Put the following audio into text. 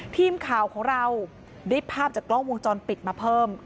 ทีมข่าวของเราได้ภาพจากกล้องวงจรปิดมาเพิ่ม